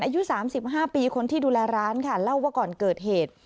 อายุ๓๕ปีคนที่ดูแลร้านค่ะเล่าว่าก่อนเกิดเหตุ